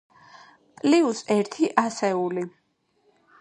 პლიუს ერთი ასეული.